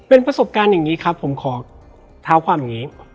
เป็นประสบการณ์อย่างนี้ครับผมขอเท้าความอย่างนี้